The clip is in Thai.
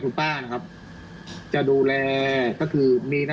พี่สาวอายุ๗ขวบก็ดูแลน้องดีเหลือเกิน